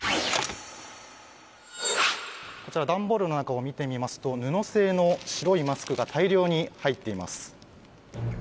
段ボールの中を見てみますと布製の白いマスクが大量に入っています。